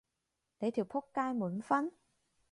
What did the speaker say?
你條僕街滿分？